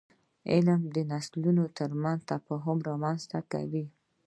علم د نسلونو ترمنځ تفاهم رامنځته کوي.